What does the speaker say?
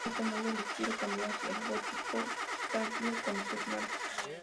De este modo, el estilo cambió hacia el gótico tardío con tres naves.